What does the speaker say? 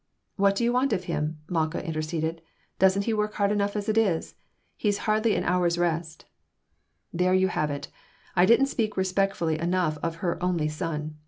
"What do you want of him?" Malkah interceded. "Doesn't he work hard enough as it is? He hardly has an hour's rest." "There you have it! I didn't speak respectfully enough of her 'only son.'